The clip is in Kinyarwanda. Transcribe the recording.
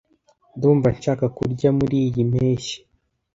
ndumva nshaka kurya muriyi mpeshyi.